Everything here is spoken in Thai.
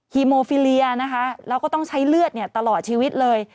ีโมฟิเลียนะคะแล้วก็ต้องใช้เลือดตลอดชีวิตเลย